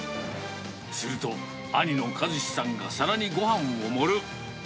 すると、兄のかずしさんが皿にごはんを盛る。